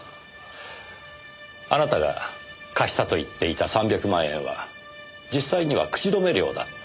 あなたが貸したと言っていた３００万円は実際には口止め料だった。